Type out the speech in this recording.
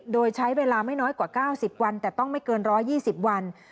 โดยใช้เวลาไม่น้อยกว่า๙๐วันแต่ต้องไม่เกิน๑๒๐วัน